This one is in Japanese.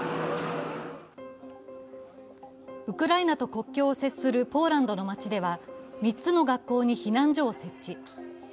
ウクライナと国境を接するポーランドの街では３つの学校に避難所設置。